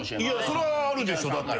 それはあるでしょだって。